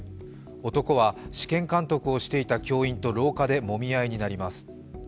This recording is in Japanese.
男は試験監督をしていた教員と廊下でもみ合いになります。